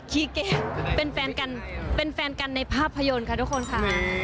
คีเกเป็นแฟนกันในภาพยนตร์ค่ะทุกคนค่ะ